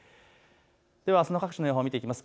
では、あすの各地の予報を見ていきます。